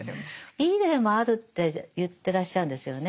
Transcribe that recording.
いい例もあるって言ってらっしゃるんですよね。